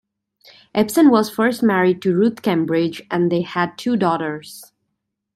Ebsen was first married to Ruth Cambridge and they had two daughters.